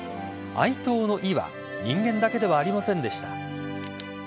哀悼の意は人間だけではありませんでした。